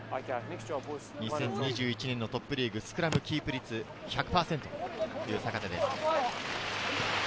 ２０２１年のトップリーグ、スクラムキープ率１００％という坂手です。